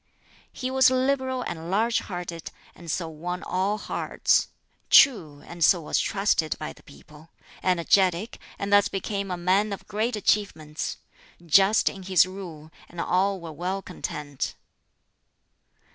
He was liberal and large hearted, and so won all hearts; true, and so was trusted by the people; energetic, and thus became a man of great achievements; just in his rule, and all were well content.